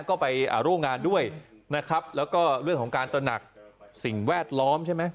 ก็ไปร่วมงานด้วยนะครับแล้วก็เรื่องของการตระหนักสิ่งแวดล้อมใช่ไหม